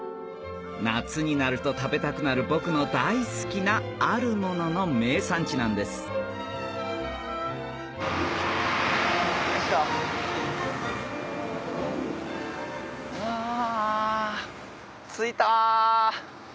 夏になると食べたくなる僕の大好きなあるものの名産地なんですうわ着いた。